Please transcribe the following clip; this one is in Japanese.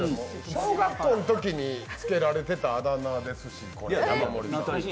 小学校の時につけられてたあだ名ですし。